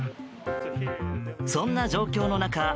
そんな状況の中